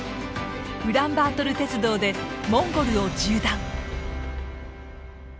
ウランバートル鉄道でモンゴルを縦断。